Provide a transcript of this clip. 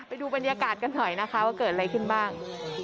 ไปดูบรรยากาศกันหน่อยนะคะว่าเกิดอะไรขึ้นบ้าง